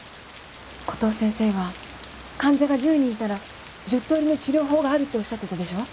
コトー先生は患者が１０人いたら１０とおりの治療法があるっておっしゃってたでしょう？